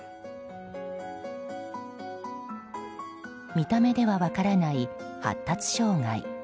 見た目では分からない発達障害。